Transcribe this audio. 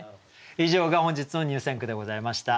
以上が本日の入選句でございました。